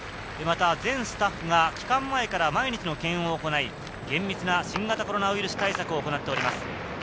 また全スタッフが期間前から毎日の検温を行い、顕密な新型コロナウイルス対策を行っています。